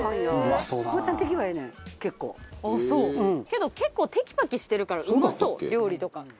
けど結構テキパキしてるからうまそう料理とかも。